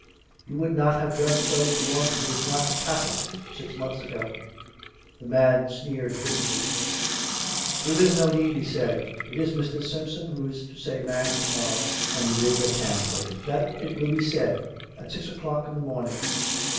'' You would not have done so to one who was not a Catholic, six months ago." The man sneered visibly. " There is no need," he said. " It is Mr. Simpson who COME RACK! COME ROPE! 43 is to say mass to morrow^ and it is at Tansley that it Svill be said^ at six o'clock in the morning.